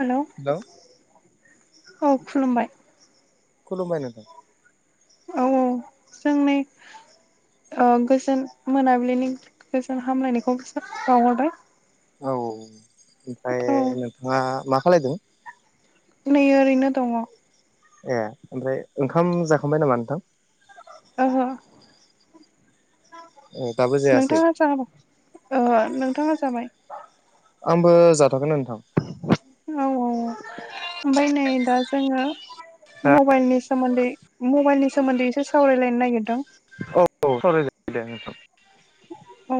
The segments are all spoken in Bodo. हेल' हेलौ औ खुलुमबाय खुलुमबाय नोंथां औ औ जोंनि गोजोन मोनाबिलिनि गोजोन हामलायनायखौ बिसोर बावहरबाय औ ओमफ्राय औ नोंथाङा मा खालायदों नै ओरैनो दङ ए ओमफ्राय ओंखाम जाखांबाय नामा नोंथां ओहो ए दाबो जायासै नोंथाङा जाबौ नोंथाङा जाबाय आंबो जाथआखैनो नोंथां औ औ ओमफफ्राय नै दा जोङो मबाइलनि सोमोन्दै मबाइलनि सोमोन्दै एसे सावरायलायनो नागिरदों औ औ स दे नोंथां औ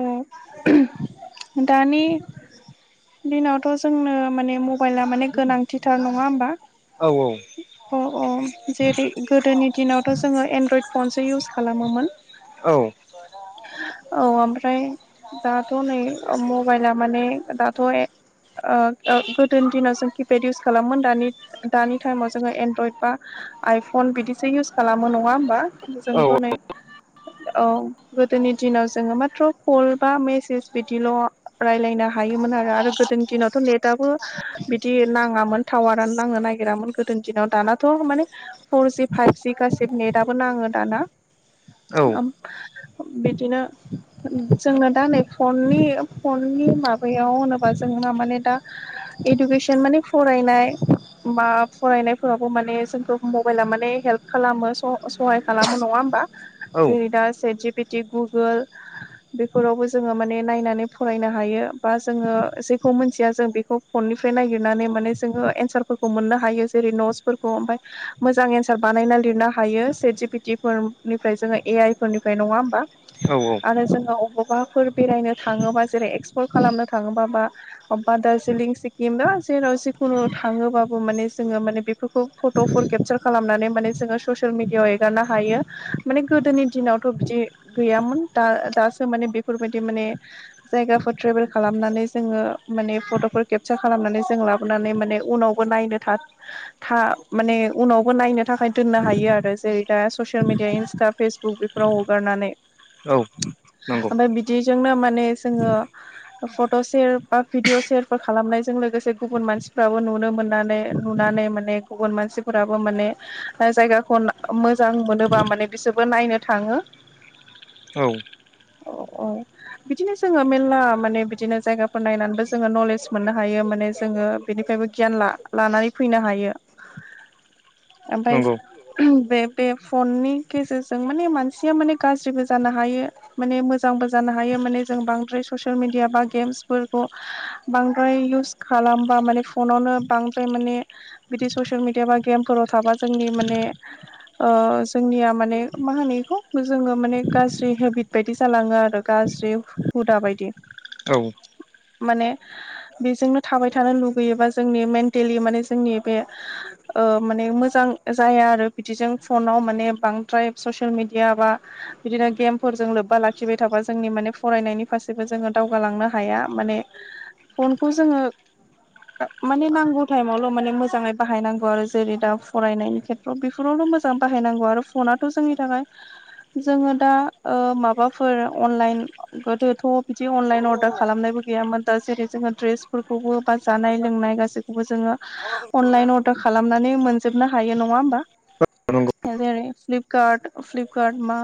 दानि दिनावथ' जोंनो माने अयला माने गोनांथिथार नङा होमबा औ औ अ औ जेरै गोदोनि दिनावथ' जोङो एनड्रयड फनसो इउस खालामोमोन औ [unintelligible] औ ओमफ्राय दाथ' नै मबाइला माने दाथ' ओ गोदोनि दिनाव जों किपेड इउस खालामोन दानि दानि टाइमाव जोङो एनड्रइड बा आइफन बिदिसो इउस खालामो नङा होमबा। औ जोंथ' नै औ गोदोनि दिनाव जोङो माथ्र' कल बा मेसेज बिदिल' राय्लायनो हायोमोन आरो आरो गोदोनि दिनावथ' नेटबो बिदि नाङामोन टावारानो नांनो नागिरामोन गोदोनि दिनाव दानाथ' माने फरजि फाइभजि गासिबो नेटआबो नाङो दाना औ। [unintelligible] बिदिनो जोङो दा नै फननि फननि माबायाव होनोबा जों मा माने दा एडुकेसन माने फरायनाय। मा फरायनायफोरावबो माने जोंखौ मबाइला माने हेल्प खालामो स-सहाय खालामो नङा होमबा। औ जे दा सेत जिपिटि गुगोल बेफोरावबो जोङो माने नायनानै फरायनो हायो बा जोङो जेखौ मोनथिया जों बेखौ। फननिफ्राय नायागिरनानै माने जोङो एन्सारफोरखौ मोननो हायो जेरै नटसफोरखौ ओमफाय। मोजां एन्सार बानायना लिरनो हायो सेत जि पि टि फोरनिफ्राय जोङो ए आइ फोरनिफ्राय नङा होमबा? औ आरो जोङो अबावबाफोर बेरायनो थाङोबा जेरै एक्सप्लर खालामनो थाङोबा बा। अबा दार्जिलिं सिक्किम दा जेराव जिखुनु थाङोबाबो माने जोङो माने बेफो खुब फट'फोर केपसार खालामनानै माने जोङो ससियेल मिेडियाआव एगारनो हायो माने गोदोनि दिनावथ' बिदि। गैयामोन दा दासो माने बेफोरबायदि माने। जायगाफोर ट्रेभेल खालामनानै जोङो माने फट'फोर केपसार खालामनानै जों लाबोनानै माने उनाव। नायनो थार। था माने उनावबो नायनो थाखाय दोननो हायो आरो जेरै दा ससियेल मिडिया इन्सटा फेसबुक बेफ राव अगारनानै। औ। नंगौ ओमफाय बिदिजोंनो माने जोङो। फट' सेर बा भिडिअ सेरफोर खालामनायजों लोगोसे गुबुन मानसिफ्राबो नुनो मोननानै। नुनानै माने गुबुन मानसिफोराबो माने। जायगाखौ मोजां मोनोबा माने बिसोरबो नायनो थाङो। औ। औ औ। बिदिनो जोङो मेलला माने बिदिनो जायगाफोर नायनानैबो जोङो नलेज मोननो हायो माने जोङो बिनि। बेबो गियान ला लानानै फैनो हायो। ओमफाय नंगौ बे बे फननि गेजेरजों माने मानसिया माने। गाज्रिबो जानो हायो। माने मोजांबो जानो हायो माने जों बांद्राय ससियेल मिडिया बा गेम्सफोरखौ बांद्राय इउस। खालामबा माने फनावनो बांद्राय माने। बिदि ससियेल मिडिया बा गेमफोराव थाबा जोंनि माने। ओ जोंनिया माने मा होनो इखौ। जोङो माने गाज्रि हेबिट बायदि जालाङो आरो गाज्रि हुदा बायदि। औ। माने। बेजोंनो थाबाय थानो लुगैयोबा जोंनि मेन्टेलि माने जोंनि बे। ओ माने मोजां जाया आरो बिदिजों फनाव माने बांद्राय ससियेल मिडिया बा। बिदिनो गेमफोरजों लोब्बा लाखिबाय थाबा जोंनि माने फरायनायनि फारसेबो जोङो दावगालांनो हाया माने। फनखौ जोङो। माने नांगौ टाइमावल' माने मोजाङै बाहायनांगौ आरो जेरै दा फरायनायनि खे बेफोरावनो मोजां बाहायनांगौ आरो फनाथ' जोंनि थाखाय जोंङो दा ओ माबाफोर अनलाइन गोदोथ' बिदि अनलाइन अर्दार खालामनायबो गैयामोन। दा जेरै जोंङो द्रेसफोरखौबो बा जानाय लोंनाय गासैखौबो जोंङो अनलाइन अर्डार खालामनानै मोन जोबनो हायो नङा होमबा नंगौ जेरै फ्लिपकार्ट फ्लिपकार्ट मा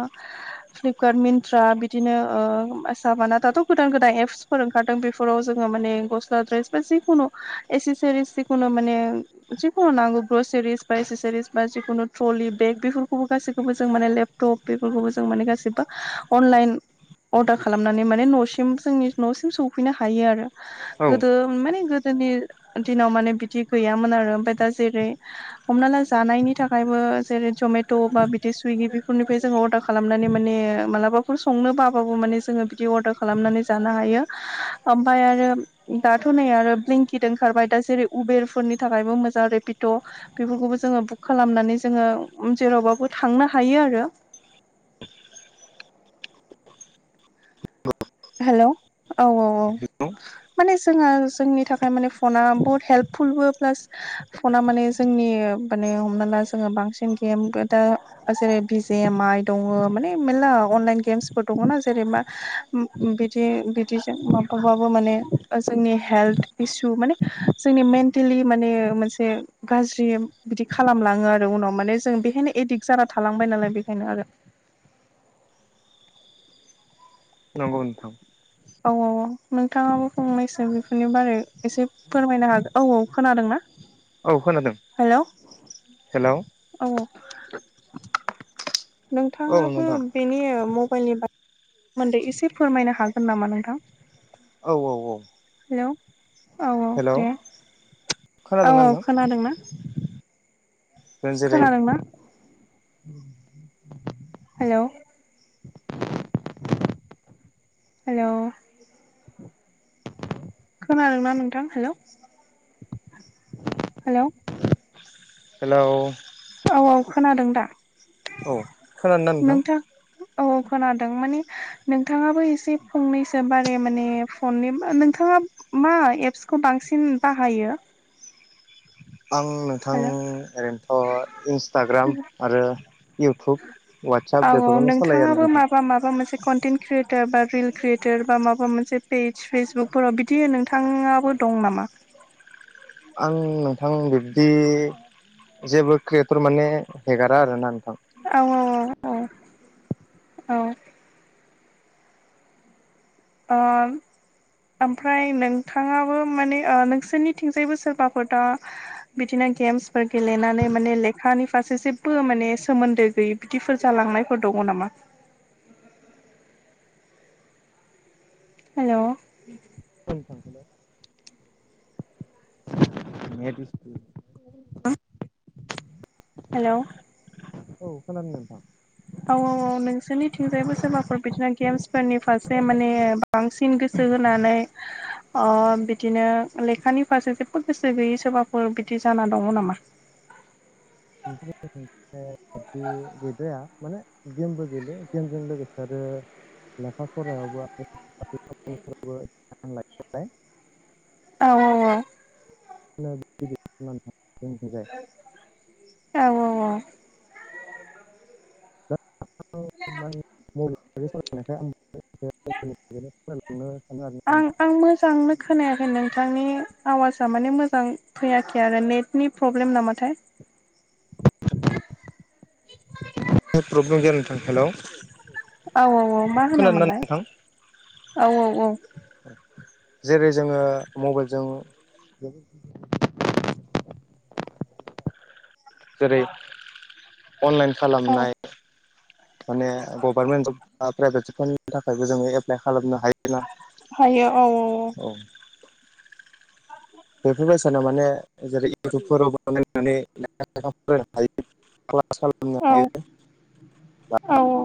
फ्लिपकार्ट मिन्त्रा बिदिनो ओ साबाना दाथ' गोदान गोदान एप्सफोर खारदों बेफोराव जोङो माने गस्ला द्रेस बा जिखुनु एसेसरिस जिखुनु माने। जिखुनु नांगौ ग्रसेरिस बा एसेसरिस बा जिखुनु ट्रलि बेग बेफोरखौबो गासैखौबो जों माने लेब टप बेफोरखौबो जों माने गासिबो अनलाइन। अर्दार खालामनानै माने न'सिम जोंनि न'सिम सफैनो हायो आरो औ गोदो माने। जोंनि दिनाव माने बिदि गैयामोन आरो ओमफाय दा जेरै। हमना ला जानायनि थाखायबो जेरै जमेट' बा बिदि सुइगि बिफ फोरनिफ्राय जोंङो अर्डार खालामनानै माने मालाबाफोर संनो बाबाबो माने जोंङो बिदि अर्डार खालामनानै जानो हायो। ओमफाय आरो दाथ' नै आरो ब्लेंकिट ओंखारबाय दा जेरै उबेरफोरनि थाखायबो मोजां रेपिट'। बेफोरखौबो जोंङो बुक खालामनानै जोंङो जेरावबाबो थांनो हायो आरो‌। [inaudible] हेल' औ औ औ। माने जोंहा जोंनि थाखाय माने फना बहुत हेल्पफुलबो प्लास फना माने जोंनि माने हमना ला जोंङो बांसिन गेम दा जेरै भिेजे एम आइ दङ माने मेनला अनलाइन गेमसफोर दङना जेरै मा बिदि बिदिजों माबबाबो माने जोंनि हेल्थ इसु माने जोंनि मेन्टेलि माने मोनसे गाज्रि बिदि खालामलाङो आरो उनाव माने जों बेहायनो एडक्ट जाना थालांबाय नालाय बेखायनो आरो। नंगौ नोंथां। औ औ औ नोंथाङाबो फंनैसो बेफोरनि बारै एसे फोरमायनो हागोन औ औ खोनादों ना? औ खोनादों। हेल'। हेल'। औ औ नोंथाङाबो नोंथां बेनि मबाइलनि सोमोन्दै एसे फोरमायनो हागोन नामा नोंथां? औ औ औ। हेलौ औ औ हेलौ दे औ खोनादोंना औ नोंथां खोनादों ना? जेरै खोनादोंना हेल'। हेल'। खोनादों ना नोंथां हेल'? हेल'। हेलौ। औ औ खोनादों दा औ खोनादोंना नोंथां? औ औ खोनादों माने नोंथाङाबो एसे फंनैसो बारे माने फननि नोंथाङा मा एप्सखौ बांसिन बाहायो? आं नोंथां हेलौ ओरैनोथ' इन्सटाग्राम आरो इउटुब औ वाटसाप औ बेफोरखौनो सालायो आरो नोंथाङाबो नोंथां। माबा मोनसे कन्टेन्ट क्रियेटार बा रिल क्रियेटार बा माबा मोनसे पेज फेसबुकफोराव बिदि नोंथाङाबो दं नामा? आं नोंथां बिब्दि जेबो क्रियेटर माने हेगारा आरोना नोंथां। औ औ औ औ औ। ओ ओमफ्राय नोंथाङाबो माने ओ नोंसोरनिथिंजायबो सोरबाफोर दा बिदिनो गेम्सफोर गेलेनानै माने लेखानि फारसे जेबो माने सोमोन्दो गैयि बिदिफोर जालांनायफोर दङ नामा? हेल' [unintelligible] [inaudible] [unintelligible] हेल'। औ खोनादों नोंथां। औ औ औ। नोंसोरनिथिंजायबो सोरबाफोर बिदिनो गेम्सफोरनि फारसे माने बांसिन गोसो होनानै ओ बिदिनो लेखानि फारसे जेबो गोसो गैयै सोरबाफोर बिदि जाना दङ नामा?? [inaudible] बिदि गैद्राया माने गेमबो गेल [unintelligible] हेमजों लोगोसे आरो लेखा फरायावबो आरो [unintelligible] औ औ औ। मबाइल औ औ औ। [unintelligible] फरायलांनो सानो आरोना आं नोंथां। आं मोजांनो खोनायाखै नोंथांनि आवाजा माने मोजां फैयाखै आरो नेटनि प्रब्लेम नामाथाय। नेट प्रब्लेम गैया नोंथां हेल'। औ औ औ मा होनामोनलाय औ औ औ। जेरै जोङो मबाइलजों जेरै अनलाइन औ खालामनाय माने गभारमेन्ट जब बा प्राइभेट जबफोरनि थाखायबो जोङो एप्लाइ खालामनो हायोना। हायो औ औ औ। बेफोरबायसानाव माने जेरै इउटुबफोरावबो नायनानै लेखा [unintelligible] फरायनो हायो। क्लास खालामनो औ हायो बा औ औ।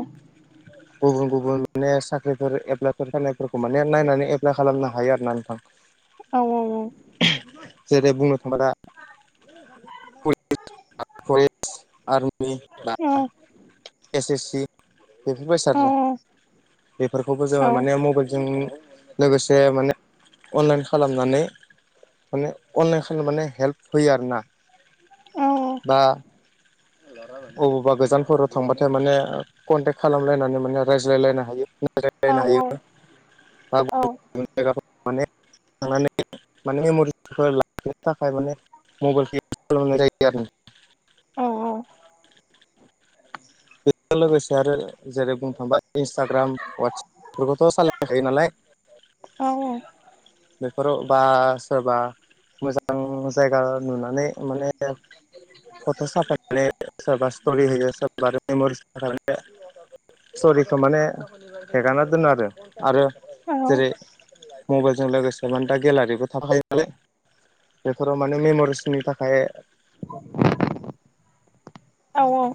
गुबुन गुबुन माने साख्रिफोर एप्लाइफोर फैनायफोरखौ माने नायनानै एप्लाय खालामनो हायो आरो ना नोंथां। औ औ औ। जेरै बुंनो थाङोबा दा औ [unintelligible] एस एस सि बेफोरबाय सारजा बेफोरखौबो जोङो माने मबाइलजों लोगोसे माने अनलाइन खालामनानै माने अनलाइन खामनो माने हेल्प होयो आरोना बा अबावबा गोजानफोराव थांबाथाय माने कनटेक्ट खालामलायनानै माने रायज्लायलायनो हायो। [unintelligible] थांनानै माने मेमरिफोर लाखिनो थाखाय माने मबाइलखौ [unintelligible] खालामनाय जायो आरो। औ औ। बेजों लोगोसे आरो जेरै बुंनो थांबा इन्सटाग्राम ववाट्सपफोरखौथ' सालायखायो नालाय। औ औ। बेफोराव बा सोरबा मोजां जायगा नुनानै माने फथ' साफायनानै सोरबा स्टरि होयो सोरबा मेमरिसनि थाखाय माने स्टरिखौ माने हेगारना दोनो आरो आरो जेरै मबाइल जों लोगोसे माने दा गेलारिबो थाखाफायो नालाय बेफोराव माने मेमरिसनि थाखाय औ औ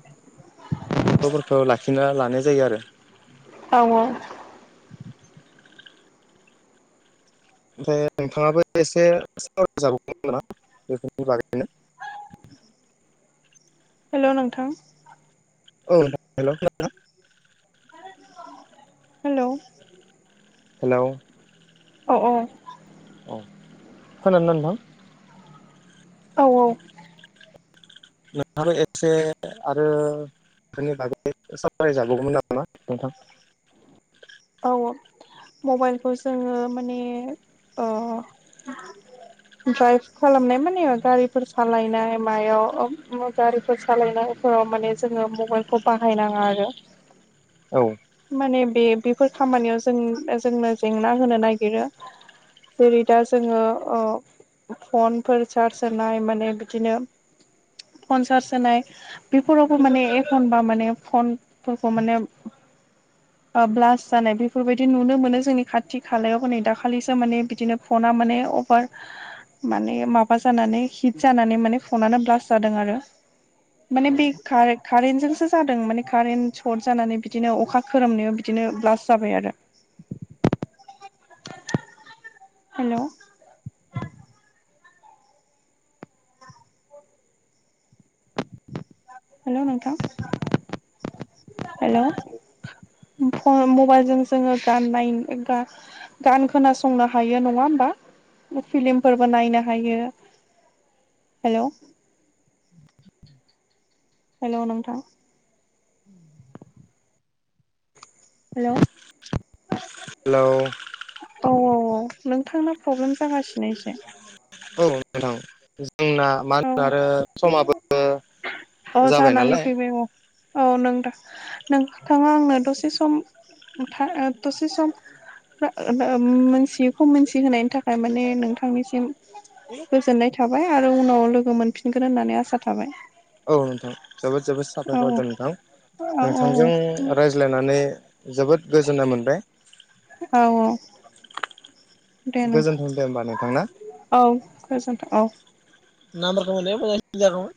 खबरफोरखौ लाखिना लानाय जायो आरो औ औ ओमफ्राय नोंथाङाबो एसे सावराय जाबावगोन मोना बेफोरनि बागैनो हेल' नोंथां। औ हेल' खोनादोंना? हेल' हेल' औ औ औ। औ खोनानो दबां औ औ नोंथांनो एसे आरो बेनि बागै सावरायजाबावगौमोन आरोना नोंथां औ मबाइलखौ जोङो माने ओ दाराइभ खालामनाय माने गारिफोर सालायनाय मायाव गारिफोर सालायनायफोराव माने जोङो मबाइलखौ बाहायनााङा आरो औ माने बे बेफोर खामानियाव जों जोंनो जेंना होनो नागिरो जेरै दा जोङो ओ फनफोर चार्ज होनाय माने बिदिनो फन चार्ज होनाय बेफोरावबो माने एखनबा माने फनफोरखौ माने ओ ब्लास जानाय बेफोरबायदि नुनो मोनो जोंनि खाथि खालायाव नै दाखालिसो माने बिदिनो फना माने अभार माने माबा जानानै हिट जानानै माने फनानो ब्लास्ट जादों आरो माने बे कारे-कारेन्टजोंसो जादों माने कारेन्ट सर्ट जानानै बिदिनो अखा खोरोमनायाव बिदिनो ब्लास जाबाय आरो हेल' हेल' नोंथां हेल' फ-मबाइलजों जोङो गाननाय गा गान खोनासंनो हायो नङा होमबा फिलिमफोरबो नायनो हायो हेल' हेल' नोंथां हेल' हेल' औ औ औ नोंथांना प्रब्लेम जागासिनो एसे औ नोंथां जोंना मा होनो औ आरो समाबो अ जाबाय जानानै नालाय फैबाय औ औ नों दा-नोंथाङा आंनो दसे सम था ओ दसे सम ओम मोनथियैखौ मोनसिहोनायनि था खाय माने नोंथांनिसिम गोजोननाय थाबाय आरो उनाव लोगो मोनफिनगोन होननानै आसा थाबाय औ नोंथां जोबोद जोबोद औ साफायखर दे नोंथां औ औ नोंथांजों रायज्लायनानै जोबोद गोजोन्नाय मोनबाय औ औ दे नोंथां गोजोन्थों दे होमबा नोंथांना औ गोजोन्थों औ नामबारखौ हरनायबा मोजांसिन जागौमोन।